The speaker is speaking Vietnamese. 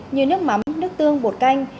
như nước mắm nước tương bột canh